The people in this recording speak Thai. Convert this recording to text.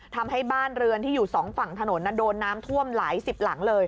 ทำให้บ้านเรือนที่อยู่สองฝั่งถนนโดนน้ำท่วมหลายสิบหลังเลย